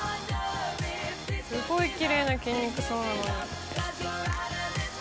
すごいきれいな筋肉そうなのに。